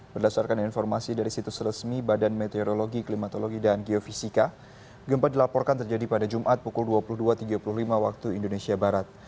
berdasarkan informasi dari situs resmi badan meteorologi klimatologi dan geofisika gempa dilaporkan terjadi pada jumat pukul dua puluh dua tiga puluh lima waktu indonesia barat